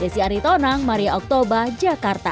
desi aritonang maria oktober jakarta